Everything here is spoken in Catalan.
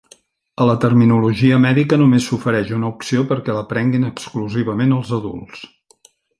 A la terminologia mèdica només s'ofereix una opció perquè la prenguin exclusivament els adults.